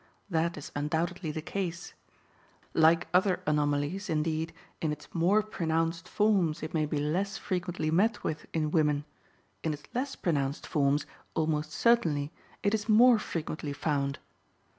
That is undoubtedly the case. Like other anomalies, indeed, in its more pronounced forms it may be less frequently met with in women; in its less pronounced forms, almost certainly, it is more frequently found.